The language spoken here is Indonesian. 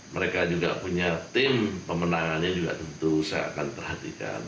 mereka juga punya tim pemenangannya juga tentu saya akan perhatikan